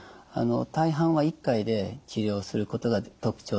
大半は１回で治療することが特徴ですね。